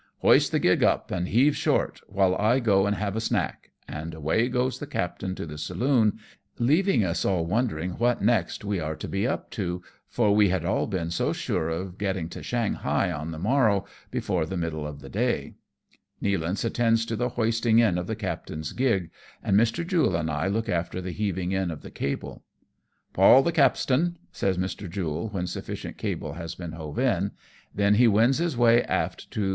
" Hoist the gig up and heave short, while I go and have a snack ;" and away goes the captain to the saloon, leaving us all wondering what next we are to be up to, for we had all been so sure of getting to Shanghai on the morrow, before the middle of the day. Nealance attends to the hoisting in of the captain's gig, and Mr. Jule and I look after the heaving in of the cable, ■' Pawl the capstan," says Mr. Jule, when sufficient cable has been hove in ; then he wends his way aft to 2 20 A \10NG TYPHOONS AND PIRATE CRAFT.